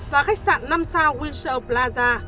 và khách sạn năm sao windsor plaza